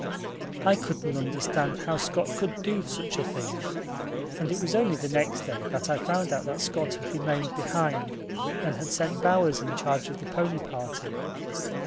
I couldn't understand how Scott could do such a thing, and it was only the next day that I found out that Scott had remained behind and had sent Bowers in charge of this pony party.